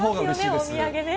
お土産ね。